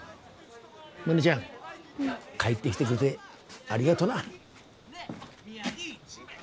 モネちゃん帰ってきてくれてありがとな。